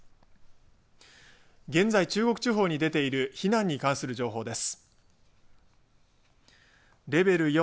現在、中国地方に出ている避難に関する情報です。